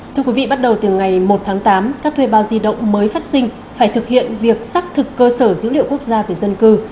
thưa quý vị bắt đầu từ ngày một tháng tám các thuê bao di động mới phát sinh phải thực hiện việc xác thực cơ sở dữ liệu quốc gia về dân cư